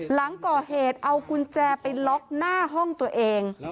หลังก่อเหตุเอากุญแจไปล็อกหน้าห้องตัวเอง